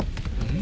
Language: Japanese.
ん？